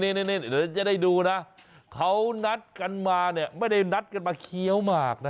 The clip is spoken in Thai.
เดี๋ยวจะได้ดูนะเขานัดกันมาเนี่ยไม่ได้นัดกันมาเคี้ยวหมากนะ